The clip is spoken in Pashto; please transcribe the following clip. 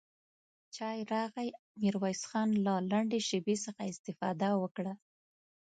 چای راغی، ميرويس خان له لنډې شيبې څخه استفاده وکړه.